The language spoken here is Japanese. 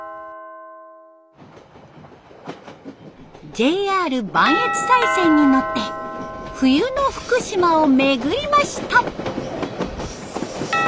ＪＲ磐越西線に乗って冬の福島を巡りました。